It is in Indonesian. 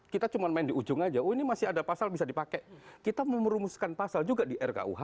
kita cuma main di ujung aja oh ini masih ada pasal bisa dipakai kita merumuskan pasal juga di rkuh